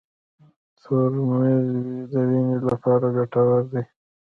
تور ممیز د وینې لپاره ګټور دي.